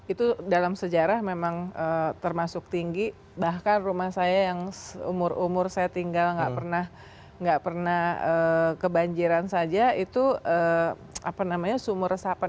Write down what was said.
itu dalam sejarah memang termasuk tinggi bahkan rumah saya yang umur umur saya tinggal nggak pernah kebanjiran saja itu apa namanya sumur resapan